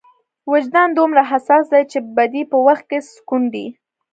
وجدان دومره حساس دی چې بدۍ په وخت کې سکونډي.